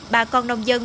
bà con nông dân